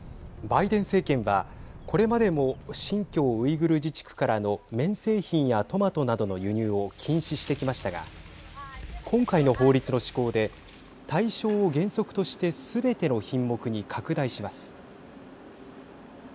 バイデン政権はこれまでも新疆ウイグル自治区からの綿製品やトマトなどの輸入を禁止してきましたが今回の法律の施行で対象を原則としてすべての品目に拡大します。